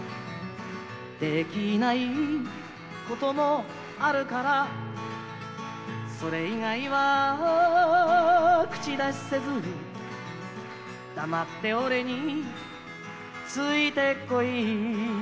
「できないこともあるから」「それ以外は口出しせず」「黙って俺についてこい」